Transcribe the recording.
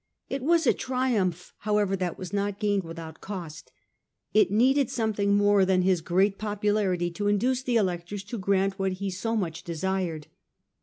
It was a triumph, however, that was not gained without cost. It needed something more than his great popularity to in duce the Electors to grant what he so much desired.